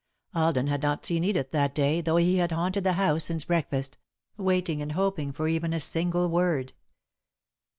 Alden had not seen Edith that day, though he had haunted the house since breakfast, waiting and hoping for even a single word.